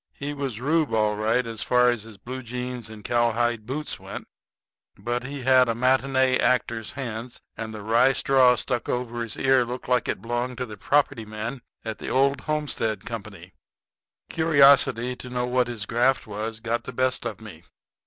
He was Reub all right as far as his blue jeans and cowhide boots went, but he had a matinee actor's hands, and the rye straw stuck over his ear looked like it belonged to the property man of the Old Homestead Co. Curiosity to know what his graft was got the best of me.